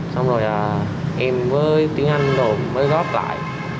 xong rồi là em với tiến anh rồi mới góp lại